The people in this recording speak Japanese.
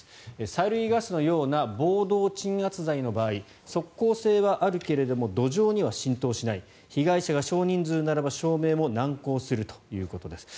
催涙ガスのような暴動鎮圧剤の場合即効性はあるけれども土壌には浸透しない被害者が少人数ならば証明も難航するということです。